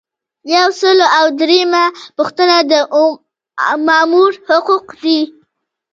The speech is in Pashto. یو سل او دریمه پوښتنه د مامور حقوق دي.